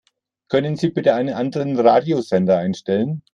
Können Sie bitte einen anderen Radiosender einstellen?